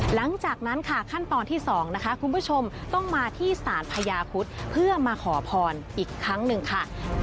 หลังจากนั้นค่ะขั้นตอนที่๒นะคะคุณผู้ชมต้องมาที่ศาลพญาคุดเพื่อมาขอพรอีกครั้งหนึ่งค่ะ